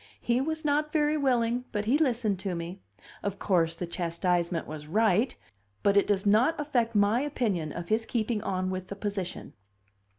He was not very willing, but he listened to me. Of course, the chastisement was right but it does not affect my opinion of his keeping on with the position."